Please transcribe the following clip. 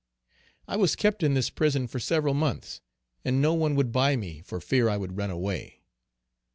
I was kept in this prison for several months, and no one would buy me for fear I would run away.